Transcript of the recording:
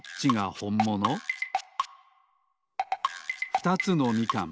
ふたつのみかん。